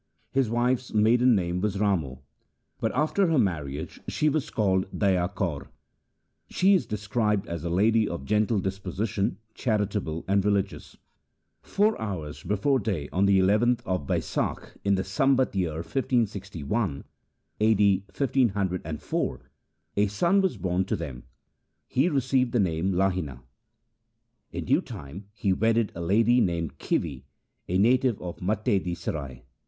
His wife's maiden name was Ramo, but after her marriage she was called Daya Kaur. She is described as a lady of gentle disposition, charitable, and religious. Four hours before day on the nth of Baisakh in the Sambat year 1561 (a.d. 1504) a son was born to them. He received the name Lahina. In due time he wedded a lady called Khivi, a native of Matte di Sarai.